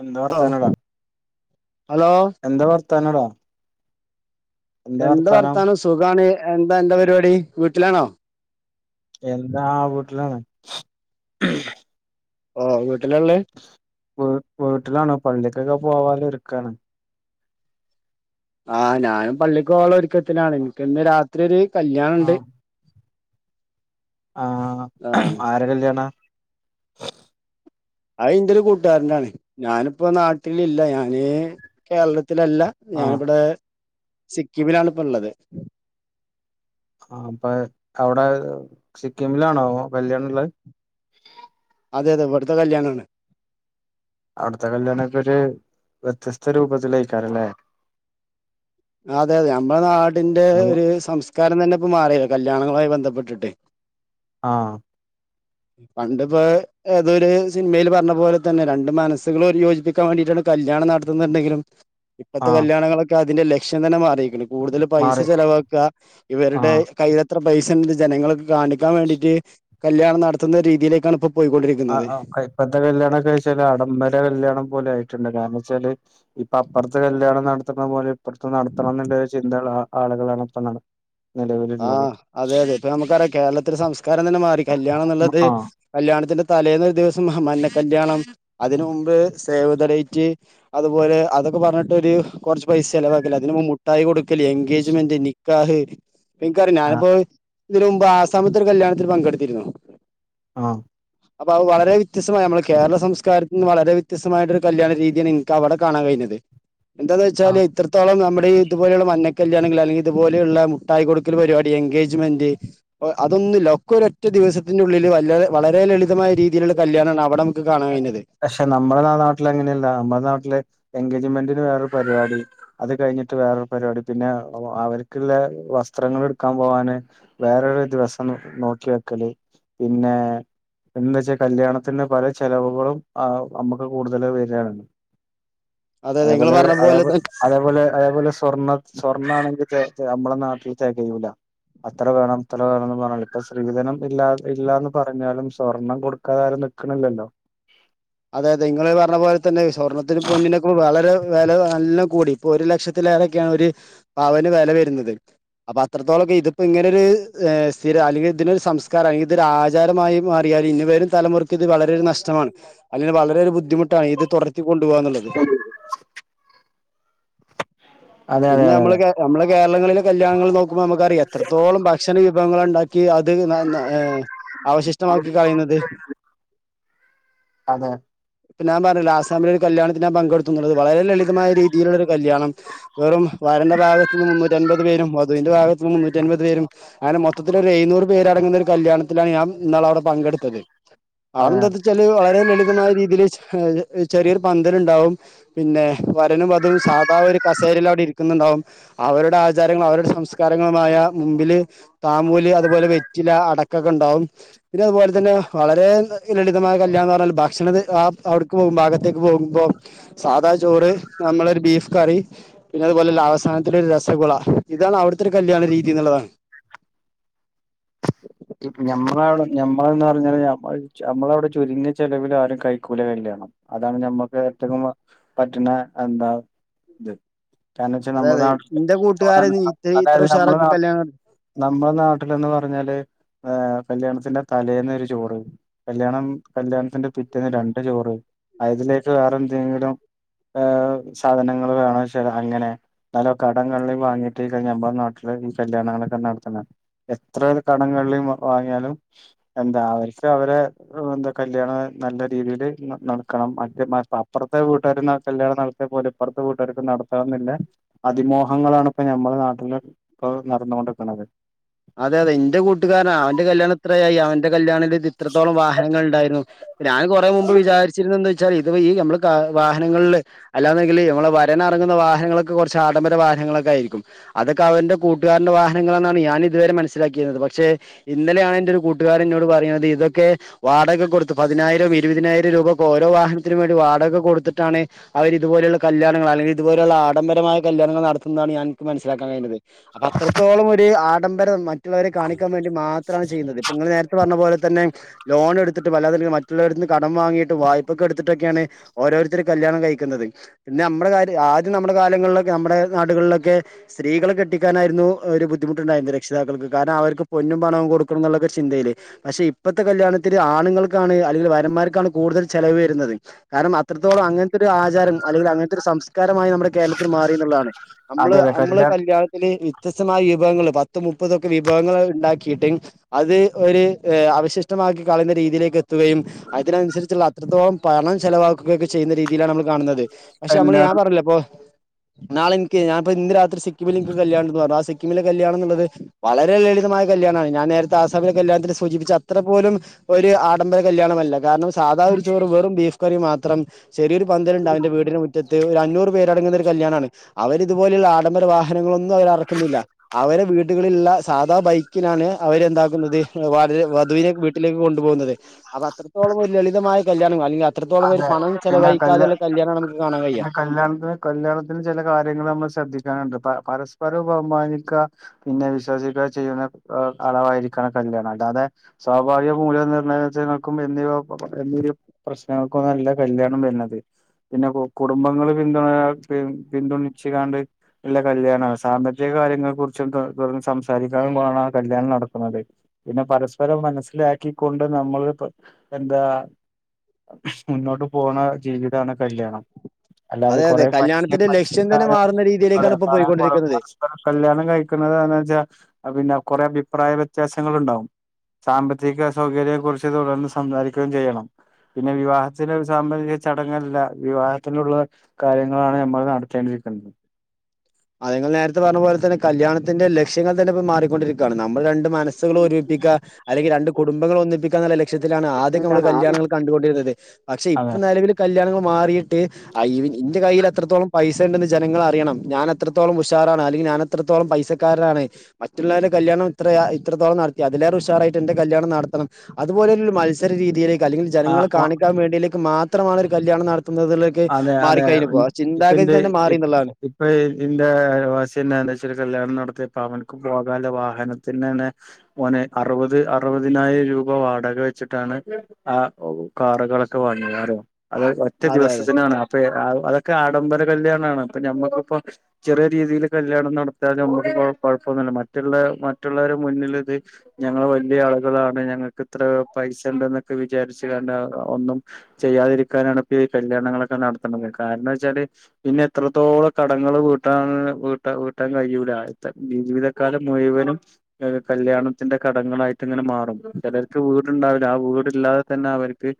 എന്താ ഓ വർത്താനടാ ഹലോ എന്താ വർത്താനടാ എന്ത് വർത്താനം സുഖമാണ് എന്താ എന്താ പരിപാടി വീട്ടിലാണോ. എന്താ ആ വീട്ടിലാണ് ഓ ആയ വീ വീട്ടിലാണ് പള്ളിക്കൊക്കെ പോവാാലെ ഇരിക്കാണ്. ആഹ ഞാനും പള്ളിക്ക് പോവാനുള്ള ഒരുക്കത്തിലാണ് എനിക്ക് ഇന്ന് രാത്രി ഒരു കല്യാണുണ്ട്. ആഹ ആരെ കല്യാണ ആ ഇൻ്റെ ഒരു കൂട്ടുകാരന്റെണ് ഞാനിപ്പോ നാട്ടിലില്ല. ഞാന് കേരളത്തി ത്തിലല്ല ആഹ് ഞാനിവിടെ സിക്കിമിലാണ് ഇപ്പോ ഉള്ളത്. ആ അപ്പൊ അവിടെ സിക്കിമിലാണോ വല്യാണ ഉള്ളത്. അതെ അതെ ഇവിടുത്തെ കല്യാണാണ്. അവിടുത്തെ കല്യാണൊക്കെ ഒരു വ്യത്യസ്ത രൂപത്തിൽ കയിക്കാറല്ലേ. അതെ അതെ നമ്മുടെ നാടിന്റെ ആഹ് ഒരു സംസ്കാരം തന്നെ ഇപ്പം മാറി. കല്യാണങ്ങളുമായി ബന്ധപ്പെട്ടിട്ട് ആഹ പണ്ടിപ്പോ ഏതൊരു സിനിമയിൽ പറഞ്ഞ പോലെ തന്നെ രണ്ട് മനസ്സുകളും ഒരു യോജിപ്പിക്കാൻ വേണ്ടിട്ടാണ് കല്യാണം നടത്തുന്നുണ്ടെങ്കിലും ഇപ്പഴത്തെ ആഹ് കല്യാണങ്ങളൊക്കെ അതിന്റെ ലക്ഷ്യം തന്നെ മാറിയിരിക്കുന്നു. കൂടുതൽ പൈസ മാറി ചെലവാക്കുക ഇവരുടെ ആഹ് കൈ ഇത്ര പൈസ ഉണ്ട് ജനങ്ങൾക്ക് കാണിക്കാൻ വേണ്ടിട്ട് കല്യാണം നടത്തുന്ന രീതിയിലേക്കാണ് ഇപ്പോ ആപ്പ കല്യാണംമക്കെ വെച്ചാല് ആഡംബര കല്യാണം പോലെ ആയിട്ടുണ്ട് കാരണം വെച്ചാല് ഇപ്പൊ അപ്പുറത്തെ കല്യാണം നടത്തണ പോലെ ഇപ്പറത്തെ നടത്തണം എന്നുള്ള ചിന്തകള ആളുകളാണ്പ്പന്ന ആഹ അതെ അതെ ഇപ്പൊ നമുക്കറിയാം കേരളത്തിലെ സംസ്കാരം തന്നെ മാറി കല്യാണം എന്നുള്ളത് ആഹ് കല്യാണത്തിന്റെ തലേന്ന ഒരു ദിവസം മഞ്ഞ കല്യാണം അതിനന് മുമ്പ് സേവ് തടയിറ്റ് അതുപോലെ അ ൊക്കെ പറഞ്ഞിട്ട് ഒരു കുറച്ച് പൈസ ചിലവാക്കില്ല അതിന് മുിായി കൊടുക്കല് എൻഗേജ്മെന്റ് നിക്കാഹ് എനിക്കറിിയ ഞാനിപ്പോ ഇതിന് മുമ്പ് ആസാമുദ്ര കല്യാണത്തിൽ പങ്കെടുത്തിരുന്നു ആഹ അപ്പൊ അത് വളരെ വ്യത്യസ്തമായ നമ്മളുടെ കേരള സംസ്കാരത്തിൽ നിന്ന് വളരെ വ്യത്യസ്തമായിട്ട് ഒരു കല്യാണ രീതിയാണ് നിനിക്ക് അവിടെ കാണാ കഴഞ്ഞത് എന്താന്ന് വെച്ചാല് ആഹ് ഇത്രത്തോളം നമ്മുടെ ഇതുപോലുള്ള മഞ്ഞ കല്യാണെിൽ അല്ലെങ്ക ഇതുപോലെയുള്ള മുട്ടായി കൊടുക്ക പരിപാടി എൻഗേജ്മെന്റ് അതൊന്നുമല്ല ഒക്കെ ഒ ഒറ്റ ദിവസത്തിന്റെ ഉള്ളിൽ വളരെ ലളിതമായ രീതിയിലുള്ള കല്യാണമാണ് അവിടെ നമുക്ക് കാണാൻ കഴിഞ്ഞത് പക്ഷെ നമ്മുടെ നാള നാട്ടില് അങ്ങനെയല്ല നമ്മുടെ നാട്ടില് എൻഗേജ്മെന്റിന് വേറൊരു പരിപാടി അത് കഴിഞ്ഞിട്ട് ഇനി എനിക്ക് വേറൊരു പരിപാടി പിന്നെ അവ അവർക്കിള്ള വ സ്ത്രങ്ങൾ എടുക്കാൻ പോവാന് വേറൊര് ദിവസം നോക്കി വെക്കല് പിന്നെ എന്ന് വെച്ചാ കല്യാണത്തിന് പല ചെലവുകളും ആ അമ്മക്ക് കൂടുതല് വരേണ്. അതായത് നിങ്ങൾ അതേപോലെ എ പറഞ്ഞ പോലെ അതേപോൽ അതേപോലെ അതേപോലെ സ്വർണ സ്വർണ്ണ ആണെങ്കിൽ ചെ ചെയ്യ് അമ്മളെ നാട്ടില് ചെകയൂല അത്ര വേണം അത്ര വേണംന്ന് പറഞ്ഞ ഇപ്പ സ്ത്രീധനം ഇല്ലാ ഇല്ലാന്ന് പറഞ്ഞാലും സ്വർണം കൊടുക്കാതെ ആരും നിക്കണില്ലല്ലോ അതെ അതെ നിങ്ങള് പറഞ്ഞ പോലെ തന്നെ സ്വർണത്തിനും പൊന്നിനൊക്കെ വളരെ വെല നല്ല കൂടി ഇപ്പൊ ഒരു ലക്ഷത്തിലേറെക്കെയാണ് ഒരു പവന് വില വരുന്നത് അപ്പാ അത്രത്തോളൊക്കെ ഇതിപ്പോ ഇങ്ങനൊരു ഏ സ്ഥിര അല്ലെങ്കി ഇതിന് സംസ്കാരായി ഇതൊര് ആചാരമായി മാറി കാര്യം ഇനി വരും തലമുറക്ക് ഇത് വളരെ നഷ്ടമാണ് അല്ലന് വളരെ ഒരു ബുദ്ധിമുട്ടാണ് ഇത് തൊടരത്തി കൊണ്ടുപോവാന്നുള്ളത്. അതെ അതെ പിന്നെ അമ്മള് കേര അമ്മള് കേരളങ്ങളിലെ കല്യാണങ്ങള് നോക്കുമ്പോ അമ്മക്കറിയാം എത്രത്തോളം ഭക്ഷണ വിഭവങ്ങള് ഉണ്ടാക്കി ക്ക്‌ അത് നന്നാ ആ അവശിഷ്ടമാക്കി കളയുന്നത് അതെ പിന്നാമ് പറല്ലെ അസ്സമിലൊരു കല്യാണത്തിന് പങ്കെടുത്തുന്നുള്ളത് വളരെ ലളിതമായ രീതിയിലുള്ളൊരു കല്യാണം വെറും വരന്റെ ഭാഗത്ത്ുന്ന് മുന്നൂറ്റ അൻപത് പേരും മു തിവിന്റെ ഭാഗത്ത് നിന്ന് മുന്നൂറ്റൻമ്പപത് പേരും അങ്ങനെ മൊത്തിൽ ഒരു എഴുന്നൂറ് പേര് അടങ്ങുന്ന ഒരു കല്യാണത്തിലാണ് ഞാ മ് ഇന്നാള് അവിടെ പങ്കെ എടുത്തത് അതെ ആണെന്താ വെച്ചാല് വളരെ ലളിതമായ രീതിയില് ആ ചെറിയൊരു പന്തലുണ്ടാവും പിന്നെ വരനും വധുവും സാധാ ഒരു ക ചേരിൽ അവിടെ ഇരിക്കുന്നുണ്ടാവും അവരുടെ ആചാരങ്ങളും അവരുടെ സംസ്കാരങ്ങളുമായ മുമ്പില് താമൂല് അതുപോലെ വെറ്റില്ല അടക്കൊക്കെ ഒ ണ്ടാവും പിന്നെ അതുപോലെ തന്നെ വളരെ ന്ന അ ലളിതമായ കല്യാണംന്ന് പറഞ്ഞാല് ഭക്ഷ ഭക്ഷണത് ആ അവിടക്ക് പോകുമ്പോ ഭാഗത്തേക്ക് പോകുമ്പോ സാധാ ചോറ് നമ്മളൊരു ബീഫ് കറി പിന്നെ അതുപോലെല്ല അവസാനത്തില് രസഗുള ഇതാണ് അവിടുത്തൊരു കല്യാണ രീതി എന്നുള്ളതാണ് [inaudible] മ് ഞമ്മളവിടെ ഞമ്മളന്ന് പറഞ്ഞവന് അമ് അമ്മളവിടെ ചുരുങ്ങിയ ചെലവിലാണ് കൈക്കൂല മെടി ണം അതാണ് ഞമ്മക്ക് ഏറ്റ ഗുമ്മാ പറ്റുന്ന എ എന്താ ഇത് കാരണം വെച്ചാ അതെ നമ്മുടെ അതെ നാട്ട് എന്റെ ല് കൂട്ടുകാരൻ [unintelligible] ഇത്ര ഇത്ര അതായത് നമ്മുടെ ഉഷാറൊക്കെ നാട്ട കല്യാണം നമ്മുടെ നാട്ടിലന്ന് പറഞ്ഞാല് ആ കല്യാണത്തിന്റെ തലേന്ന് ഒരു ചോറ് കല്യാണം കല്യാണത്തിന്റെ പിറ്റേന്ന് രണ്ട് ചോറ് അതിലേക്ക് വേറെന്ത [unintelligible] ആഹ സാധനങ്ങള് വേണെച്ചല് അങ്ങനെ നല്ല കടങ്ങളിൽ വാങ്ങിട്ട് കഴിഞ്ഞാ [unintelligible] എ ഈ കല്യാണങ്ങളക്ക [unintelligible] എത്ര കടങ്ങള് വാ വാങ്ങിയാലും എന്താ അവര്ക്ക് അവരെ [unintelligible] എന്താ കല്യാണം നല്ല രീതില് ന ന കണം [unintelligible] മപ്പ അപ്പറത്തെ വീട്ടുകാര ന കല്ലാണം നട ത്തെ പോലെ ഇപ്പുറത്തെ വീട്ടെകാർക്ക്‌ നടത്താൻന്നില്ലെ അതിമോഹങ്ങളാണ് ഇപ്പ നമ്മ പിന്നെ അ നടന്നുകൊണ്ടിരിക്കണത് അതെ അതെ എന്റെ കൂട്ടുകാരനാ അവന്റെ കല്യാണത്രയായി അവൻന്റെ കല്യാണ ഇത്രത്തോളം വാഹനങ്ങൾ ഇ ണ്ടായിരുന്നു ഞാൻ കൊറേ മുമ്പ് വിചാരിച്ചിരുന്നന്ന് വെ ച്ചെ ഇത് ഈ അമ്മള് കാ വാഹനങ്ങളില് അല്ലാതെങ്കില് അമ്മള് വരൻ എറങ്ങുന്ന വാഹനങ്ങളൊക്കെ കൊറച്ച് ആഡംബര വന ങ്ങളക്കെയിരിക്കും അതൊക്കെ അവന്റെ കൂട്ടുകാരന്റെ വാഹനങ്ങളാന്നാ ണ് ഞാന് ഇതുവരെ മനസ്സിലാക്കിരുന്നത് പക്ഷെ ഇന്നലെയാണ് എന്റെ ഒരു കൂട്ടുകാരൻ എന്നോട് പറയുന്നത്. ഇതൊക്കെ വാടക കൊടുത്ത് പിനായിരം ഇരുവതിനായിരം രൂപ ഒക്കൊ ഓരോ വാഹനത്തിനും വേണ്ടി വാടക കൊടുത്തിട്ടാണ് അവര് ഇത് പോലുള്ള കല്യാണങ്ങ അല്ലെങ്കി ഇതുപോലുള്ള ആഡംബരമായ കല്യാണങ്ങൾ നടത്തുന്നാണ് ഞാന് നിക്ക് മനസ്സിലാക്കൻ കഴിഞ്ഞത്. അപാം അത്രത്തോളം ഒരു ആഡംബരം മ റ്റുള്ളവരെ കാണിക്കാൻ വേണ്ടി മാത്രമാണ് ചെയ്യുന്നത്. ഇപ്പ നിങ്ങള് നേരത്തെ പറഞ്ഞ പോലെ തന്നെ ലോൺ എടു ത്ത് ട്ട് വല്ലാതെ ന്തിനാ മറ്റുള്ളവരടുത്ത് നിന്ന് കടം വാങ്ങിയിട്ട് വായ്പൊക്കെ എടുത്തിട്ടൊക്കെയാണ് ഓരോരുത്തര് കല്യാണം കഴിക്കുന്നുത്. ന്നെ അമ്മടെ കാര് ആരും നമ്മടെ കാലങ്ങളൊക്കെ അമ്മടെ നാടുകളിലൊക്കെ സ്ത്രീകള് കെട്ടിക്കാനായിരുന്നു ഒരു ബുദ്ധിമുട്ടുണ്ടായിരുന്ന ക്ഷിതാക്കൾക്ക് കാരണം അവർക്ക് പൊന്നും പണവും കൊടുക്കണം എന്നുള്ളൊക്കെ ചിന്തയിേല് പക്ഷെ ഇപ്പത്തെ കല്യാണത്തിന് ആണു ങ്ങൾക്കാണ്. ങ്കിൽ വരന്മാർക്കാണ് കൂടുതൽ ചെലവ് വരുന്നത് കാരണം അത്രത്തോളം അങ്ങന ഒരു ആചാരം അല്ലെങ്കിൽ അങ്ങനത്തെ ഒരു സംസ്കാരമായി നമ്മുടെ കേരളത്തിൽ മാറി എന്നുള്ളതാണ് അതെ നമ്മള് അതെ നമ്മള് കല്യാ കല്യാണത്തില് വ്യത്യസ്തമായ വിഭവങ്ങൾ. പത്ത് മുപ്പതൊക്കെ വിഭവങ്ങൾ ഉണ്ടാക്കിയിട്ടും. അത് ഒരു അവശിഷ്ടമാക്കി കളയുന്ന രീതിയിലേക്ക് എ കയും അതിനനുസരിച്ചുള്ള അത്രത്തോളം പണം ചെലവാക്കുകയൊക്കെ ചെയ്യുന്ന രീതിയിലാണ് നമ്മൾ കാണുന്നത്. പക്ഷെ നമ്മള് ഞാൻ കല്യാണം പറലേ ഇപ്പൊ നാളെനിക്ക് ഞാനിപ്പ ഇന്ന് രാത്രി സിക്കിമിൽ എനിക്ക് കല്യാണം പറഞ്ഞു ആ സിക്കിമിലികല്യാണം എന്നുള്ളത് വളരെ ലളിതമായ കല്യാണമാണ്. ഞാൻ നേരത്തെ ആസാമിലെ കല്യാണത്തിന് സൂചിപ്പിച്ചച്ച അത്ര പോലും ഒരു ആഡംബര കല്യാണമല്ല കാരണം സാധാ ഒരു ചോറ് വറും ബീഫ് റി മാത്രം ചെറിയരു പന്തലുണ്ട് അവന്റെ വീടിന്റെ മുറ്റത്ത് ഒരു അഞ്ഞൂറ് പേരടങ്ങുന്ന ഒരു കല്യാണാണ് അവർതുപോലെ ആഡംബര വാഹനങ്ങളൊന്നും അവരറക്കുന്നില്ല അവരെ വീട്ട വീട്ടുകളുള്ള സാധാ ബൈക്കിലാണ് അവര് എന്താക്കുന്നത് വളരെ വധുവിനെ വീട്ടിലേക്ക് കൊണ്ടുപോകുന്നത് അപ്പ അത്രത്തോളം ഒരു ലളിതമായ കല്യാണങ്ങൾ അല അതെ [unintelligible] നമുക്ക് കാണാൻ കഴിയ പിന്നെ കല്യാണത്തിന് കല്യാണത്തിന് ചില കാര്യങ്ങൾ നമ്മൾ ശ്രദ്ധിക്കാനുണ്ട്. പ പരസ്പരം ബഹുമാനിക്കുക. പിന്നെ വിശ്വസിക്കുക. ചെയ്യുന്ന അളവായിരിക്കാണ് കല്യാണം അല്ല അതെ സ്വാഭാവിക മൂലനിർണയങ്ങൾക്കും എന്നിവ [unintelligible] നമക്ക് നല്ല കല്ല്യാണം വരുന്നത് പിന്നെ കുടുംബങ്ങള്ൾ പിന്തുണ പി പിന്തുണച്ച് കണ്ട് ഉള്ള കല്യാണമാണ് സാമ്പത്തിക കാര്യങ്ങളെ കുറിച്ചും സംസാരിക്കാനുമണ കല്യാണം നടക്കുന്നത്. പിന്നെ പരസ്പരം മനസ്സില കി ക്കൊണ്ട് നമ്മള് എന്താ മുന്നോട്ട് പോണ ജീവിതമാണ് കല്യാണം അല്ലാതെ അതെ അതെ കല്യാണത്തിന്റെ ലക്ഷ്യം തന്നെ മാറുന്ന [unintelligible] അതെ രീതിയിലേക്കാണ് [unintelligible] ഇപ്പൊ പോയിക്കൊണ്ടിരിക്കുന്നത്. പരസ്പരം കല്യാണം കഴിക്കുന്നത് എ വെച്ചാ പിന്നെ കുറേ അഭിപ്രായ വ്യത്യാസങ്ങുണ്ടാവും. സാമ്പത്തിക സൗകര്യെ കുറിച്ച് തുടർന്ന് സംസാരിക്കുകയും ചെയ്യണം പിന്നെ വിവാഹത്തിലെ സാമ്പത്തിക ചടങ്ങല്ല വിവാഹത്തിള്ള കാര്യങ്ങളാണ്. ഞമ്മൾ നടത്തേണ്ടിയിരിക്കുന്നത്. ഉം അത്ങ്ങൾ നേരത്തെ പറഞ്ഞ പോലെ തന്നെ കല്യാണത്തിന്റെ ലക്ഷ്യങ്ങൾ തന്നെ ഇപ്പോ മാറിക്കൊണ്ടിരിക്കുകയാണ്. നമ്മൾ രണ്ടും മനസ്സുകൾ ഒരുമപ്പിക്കുക. അല്ലെങ്കിൽ രണ്ട് കുടുംബങ്ങൾ ഒന്നിപ്പിക്കുക. ത്തിലാണ് ആദ്യം നമ്മൾ കല്യാണങ്ങൾ കണ്ടുകൊണ്ടിരുന്നത്. പക്ഷെ ഇപ്പൊ അതെ നിലവിൽ കല്യാണങ്ങ മാറിട്ട്ന്റെ കയ്യിൽ എത്രത്തോളം പൈസ ഉണ്ടെന്ന്. ജനങ്ങൾ അറിയണം ഞൻ എത്രത്തോളം ഉഷാറാണ് അല്ലെങ്കിൽ ഞാൻ എത്രത്തോളം പൈസക്കാരാണ്. മറ്റുള്ളവരുടെ കല്യാണം. ത്ര എത്രത്തോളം നടത്തിയ അതി വല്ല ഉഷാറായിട്ട് എന്റെ കല്യാണം നടത്തണം. അതുപോലെ ഒരു മത്സരീതിയിലേ അല്ലെങ്കിൽ ജനങ്ങളെ ആ കാണിക്കാൻ വേണ്ടിയിലേക്ക് മാത്രമാണ് ഒരു കല്യാണം നട തുന്നതിലേക്കെ അതെ അതെ മാറിക്കഴിഞ്ഞു പോ ചിന്താഗതി തന്നെ മാറി എന്നുള്ളതാണ്. ഇതിന്റെവാസിന്നെ എന്ത വെച്ച കല്യാണം നടത്തിയ പ്പ അവനക്ക് പോകാനുള്ള വാഹനത്തി തന്നെ അറുപത് അറുപതിനായിരം രൂപ വാടക വെച്ചിട്ടാണ് ആ കാറുകളൊക്കെ വാങ്ങയാറ്. അത് ഒറ്റ അതെ അതെ ദിവസ ത്തെ അ അതൊക്കെ ആഡംബര കല്യാണാണ്. അപ്പൊ ഞമ്മക്കിപ്പോ ചെറിയ രീതിയിൽ കല്യാണം നടത്താൽ നമ്മെ ക്കെ കൊഴപ്പൊന്നുല്ല. മറ്റുള്ള മറ്റുള്ളോരേ മുന്നിലിത് ഞങ്ങള് വെല്യായാളുകളാണ് ഞങ്ങൾക്കിത്ര. പൈസ ഇണ്ടൊന്നെക്കെ വിചാരിച്ചു കണ്ട ഒന്നും ചെയ്യാതിരിക്കാനാണിപ്പയിക കല്യാണങ്ങളൊക്കെ നടത്തണത്. കാരണെ വെച്ചാല് പിന്നെ എത്രത്തോളം കടങ്ങള് വീട്ടാനൊ വീട്ടാ വീട്ടാ ൻ കഴിയൂല. ജീവിതക്കാലം മുഴുവനും കല്യാണത്തിന്റെ കടങ്ങളായിട്ടങ്ങനെ മാറും. ചെലർക്ക് വീടുണ്ടാവില്ല. ആ വീടില്ലാതെ തന്നെ അവർക്ക്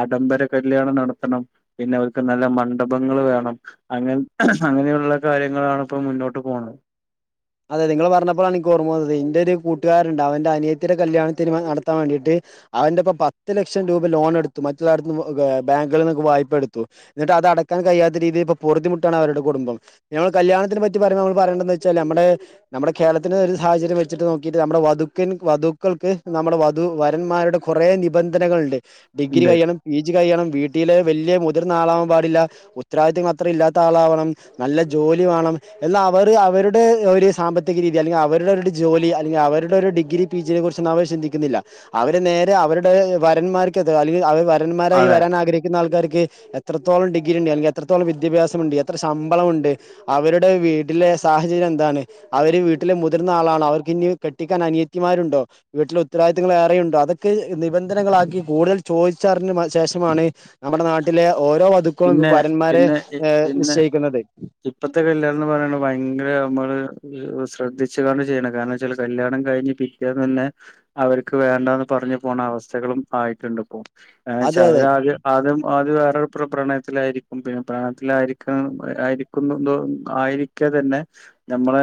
ആഡംബര കല്യാണം നടത്തെണം പിന്നെ അവർക്ക് നല്ല മണ്ഡപങ്ങള് വേണം. അങ്ങ അങ്ങനെയുള്ള കാര്യങ്ങളാണ് ഇപ്പോ മുന്നോട്ട് പോണെ. [unintelligible] അതെ നിങ്ങള് പറഞ്ഞപ്പോഴാണ് എനിക്ക് ഓർമ്മ വന്നെത്. എന്റൊരു കൂട്ടുകാരൊണ്ട്. അവന്റെ അനിയത്തിടെ കല്യാണത്തിനുമ നടത്താവേണ്ടിട്ട് അവന്റെപ്പ പത്ത് ലക്ഷം രൂപ ലോൺ എടുത്തു. മറ്റുല്ലാടത്തൂന്ന് ബാങ്കുകളിൽ നിന്നൊക്കെ വായ്പ എടുത്തു. എന്നിട്ട് അ ടക്കാൻ കഴിയാത്ത രീതിൽ ഇപ്പോ പൊറ്തിമുട്ടാണ് അവെരടെ കുടുംബം. ഞങ്ങെള് കല്യാണത്തിനെപ്പറ്റി പറയണോ പറയണ്ടാന്ന്വെച്ചാല്. നമ്മെടെ നമ്മെടെ കേരളത്തിന് ഒരു സാഹചര്യം വെച്ചിട്ട് നോക്കിട്ട് നമ്മുടെ വധുക്കൻ വധുക്കൾക്ക് നമ്മുടെ വധു വരന്മാ വീട്ടുക്കാരുടെ കൊറെ നിബന്ധനകളൊണ്ട്. ഡിഗ്രി ഉണ്ട് കഴിയണം, പി ജി കഴിയണം, വീ ട്ടില് വെല്യാ മുതിർന്നാളാകൻ പാടില്ല, ഉത്തരവാദിത്വം അത്രം ഇല്ലാത്ത ആളാവണം, നല്ല ജോലി വേണം, എന്നാ അവർ അവെരുടെ ഒരു സാമ്പത്തിക രീതി അല്ലെങ്കിൽ അവെരവരുടെ ഒരു ജോലി അല്ലെങ്കി അവെരുടെ ഒരു ഡിഗ്രി പി ജിയെ കുറിച്ചൊന്നു അവർ ചിന്തിക്കുന്നില്ല. അവര് നേ രെ അവെരുടെ വരന്മാർക്കെതിരെ അല്ലെങ്കിൽ അവർ വരന്മാരായി അതെ വെരാൻ ആഗ്രഹിക്കുന്ന ആൾക്കാർക്കെ തിരെ എത്രത്തോളം ഡിഗ്രിയൊണ്ട് അല്ലെങ്കിൽ എത്രത്തോളം വിദ്യാഭ്യാസമൊണ്ട് എത്ര ശമ്പളമൊണ്ട് അവെരുടെ വീട്ടിലെ സാഹചര്യം എന്താണ് അവര് വീട്ടിലെ മുതിർന്നയാളാണോ അവർക്ക് ഇനി കെട്ടിക്കാൻ അനിയത്തിയമാരുണ്ടോ വീട്ടിലെ ഉത്തവാദിത്തങ്ങൾ ഏറെയുണ്ടോ ക്ക് നിബന്ധനകളാക്കി കൂടുതൽ ചോദിച്ചറിന് മ ശേഷമാണ് നമ്മടെ നാട്ടിലെ ഓരോ വധുക്കളിപ്പ പിന്നെ വരന്മാരെ പിന്നെ പിന്നെ നിശ്ചയിക്കുന്നത്. ഇപ്പത്തെ കല്യാണം എന്ന് പറയണ ഭയങ്കരയെന്താ പറയ്ക. ശ്രദ്ധിച്ചുകണ്ട് ചെയ്യണം. കാരണം വെച്ചാല് കല്യാണം കഴിഞ്ഞ് പിറ്റേന്ന് തന്നെ അവർക്ക് വേണ്ടാന്ന് പറഞ്ഞു പോണവസ്ഥകളും ആയിട്ടുണ്ടിപ്പോ. അതെ ആന്ന്ച്ചാ അതെ അവരത് അതും അത് അ റും പ്രണയത്തിലായിരിക്കും. പിന്നെ പ്രണയത്തിലായിരിക്കു ആയിരിക്കുമ്പോമ്പോ ആയിരിക്കാത്തന്നെ. നമ്മളെ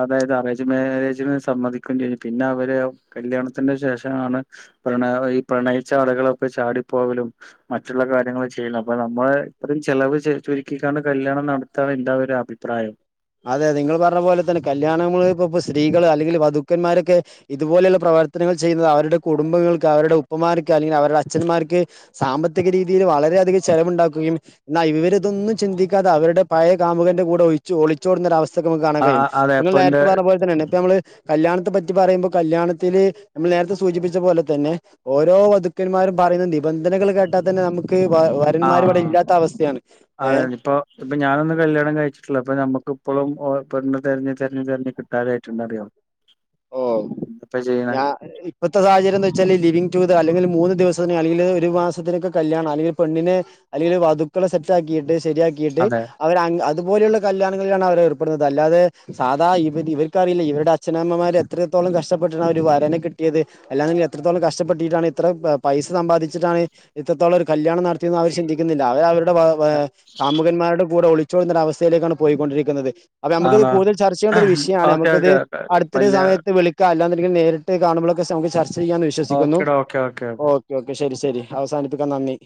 അതായത് അറേജ മാരേജിന് സമ്മതിക്കേണ്ടി വെരും. പിന്നെ അവര് കല്യാണത്തിന്റെ ശേഷമാണ്. പ്രണയ ഈ പ്രണയിച്ചാളുകളൊക്കെ ചാടിപ്പോവലും മറ്റൊള്ള കാര്യങ്ങള് ചെയ്യണാ. അപ്പ നമ്മള് ഇത്രയും ചെലവ് ചുരുക്കിടാണ് കല്യാണം നടത്തായെന്റെ ഒരു അഭിപ്രായം. അതെ നിങ്ങള് പറഞ്ഞ പോലെ തന്നെ കല്യാണങ്ങളിപ്പ സ്ത്രീകൾ അല്ലെങ്കിൽ വധുക്കന്മാരൊക്കെ ഇതുപോലെയുള്ള പ്രവ ർത്തനങ്ങൾ ചെയ്യുന്നത് അവരുടെ കുടുംബങ്ങൾക്ക് അവരുടെ ഉപ്പമാർക്ക് അല്ലെങ്കിൽ അവരുടെ അച്ഛന്മാർക്ക് സാമ്പത്തിക രീതിയില് വളരെയധികം ചെലവുണ്ടാക്കുകയും എന്നയിവരിതൊന്നും ചിന്തിക്കാതെ അവെരുടെ പഴേ കാമുകന്റെ കൂടെ ഒഴിച്ച് ഒളി ച്ചോടുന്നരവസ്ഥക്ക് നമ്മെക്ക് കാണാൻ ആ കഴിയും. ആ അതെ നിങ്ങള് ഇപ്പൊ എന്റെ നേരത്തെ പറഞ്ഞപ്പോലെത്തന്നെയ ഇപ്പ നമ്മള് കല്യാണത്തെപ്പറ്റി പറയുമ്പോ കല്യാണത്തിന് നമ്മൾ നേരത്തെ സൂചിപ്പിച്ചപ്പോലെത്തന്നെ ഓരോ വധുക്കന്മാരും പറയുന്ന നിബന്ധ നൾ കേട്ടാ തന്നെ നമ്മെ ക്ക് വ ആ വരന്മാരിവെടെയില്ലാത്തവസ്ഥയാണ് ഏ. അതെ ഇപ്പൊ ഇപ്പൊ നമ്മുക്കി പെണ്ണ്തെരഞ്ഞ് തെര്ഞ്ഞ് തെര്ഞ്ഞ് തെരെഞ്ഞ് കിട്ടാതായിട്ടൊണ്ട് അറിയോ? ഓ എന്താപ്പ ചെയ്യണേ ഞാ ഇപ്പഴത്തെ സാഹചര്യ വെച്ചാല് ലിവിംഗ് ടു ദേ അല്ലെങ്കിൽ മൂന്ന് ദിവസത്തിന് അല്ലെങ്കിൽ ഒരു മാസത്തിലൊക്കെ കല്യാണം. അല്ലെങ്കി പെണ്ണിനെ അല്ലെങ്കിൽ വധുക്കളെ സെറ്റാക്കിട്ട്. ശെരിയാക്കിട്ട് അതെ അവരങ്ങ് അ തുപോലെയുള്ള കല്യാണങ്ങളിലാണ് അവർ ഏർപ്പെടുന്നത്. അല്ലാതെ സാധായിവെര് ഇവർക്കറിയില്ല ഇവെരുടെച്ഛനമ്മമാരു എത്രത്തോളം കഷ്ടപ്പെട്ടിട്ടാ ണൊരു വരനെ കിട്ടിയത്. അല്ലാെങ്കി എത്രത്തോളം കഷ്ടപ്പെട്ടിട്ടാണ് ഇത്ര പൈസ സമ്പാദിച്ചത്. ട്ടാണ് ഇത്രത്തോളം ഒരു കല്യാണം നടത്തിയെന്ന് അവർ ചിന്തിക്കുന്നില്ല. അവർ അവെരുടെ വെ വെ കാമുകന്മാരുടെ കൂടെ ഒളി ച്ചടുന്ന ഒരവസ്ഥയിലേക്കാണ് പോയിക്കൊണ്ടിരിക്കുന്നത്. അപ്പൊ നമുക്കിത് ആണോ കൂടുതൽ ചർച്ച ചെയ്യേണ്ട ഒരു വിഷയമാണ്. ഓക്കെ നമുക്കിത് ഓക്കെ അടു ഒര് കല്യാ സമയത്ത് വിളിക്കാം. അല്ലാന്നൊണ്ടെങ്കിൽ നേരിട്ട് കാണുമ്പോളക്കെ നമ്മെക്ക് ചർ ച്ചെയ്യാന്ന് വിശ്വസിക്കുന്നു. Okay okay ഷെരി. ഷെരി അവസാനിപ്പിക്കാം നന്ദി